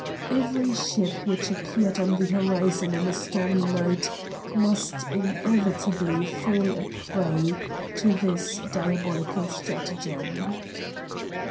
Every ship which appeared on the horizon in a stormy night must inevitably fall a prey to this diabolical stratagem.